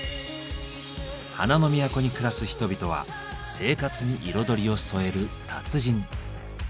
花の都に暮らす人々は生活に彩りを添える達人。